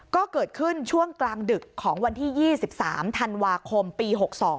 ก็เกิดขึ้นช่วงกลางดึกของวันที่๒๓ธันวาคมปี๖๒